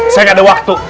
saya nggak ada waktu